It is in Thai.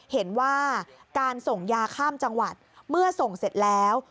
เห็นว่าการส่งยาข้ามจังหวัดเมื่อส่งเสร็จแล้ว